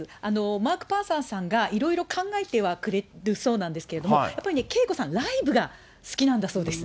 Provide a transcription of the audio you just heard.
マーク・パンサーさんがいろいろ考えてはくれるそうなんですけれども、やっぱりね、ＫＥＩＫＯさん、ライブが好きなんだそうです。